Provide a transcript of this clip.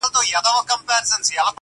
• چي دولت لرې ښاغلی یې هرچا ته,